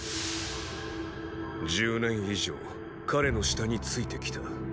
十年以上彼の下についてきた。